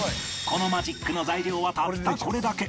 このマジックの材料はたったこれだけ